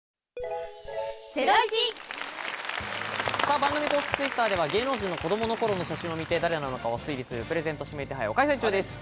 番組公式Ｔｗｉｔｔｅｒでは芸能人の子供の頃の写真を見て誰なのかを推理するプレゼント指名手配を開催中です。